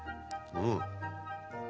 うん！